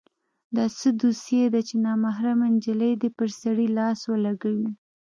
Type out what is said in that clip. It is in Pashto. دا څه دوسي ده چې نامحرمه نجلۍ دې پر سړي لاس ولګوي.